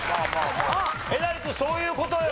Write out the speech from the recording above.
えなり君そういう事だよ。